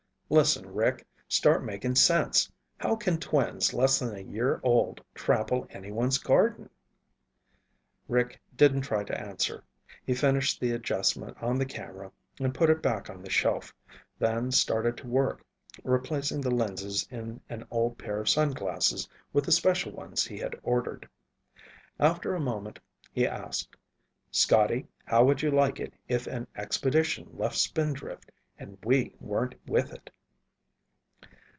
Listen, Rick, start making sense. How can twins less than a year old trample anyone's garden?" Rick didn't try to answer. He finished the adjustment on the camera and put it back on the shelf, then started to work replacing the lenses in an old pair of sunglasses with the special ones he had ordered. After a moment, he asked, "Scotty, how would you like it if an expedition left Spindrift and we weren't with it?"